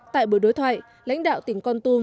tại buổi đối thoại lãnh đạo tỉnh con tum